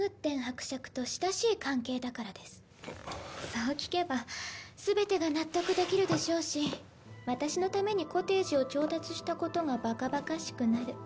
そう聞けば全てが納得できるでしょうし私のためにコテージを調達したことがバカバカしくなる。